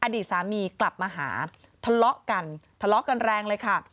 อดีตสามีกลับมาหาทะเลาะกันทะเลาะกันแรงเลยค่ะ